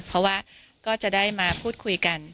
เพราะว่าก็จะได้มาพูดคุยกัน